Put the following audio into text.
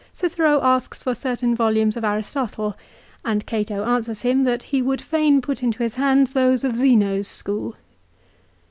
Cicero asks for certain volumes of Aristotle, and Cato answers him that he would fain put into his hand those of Zeno's school.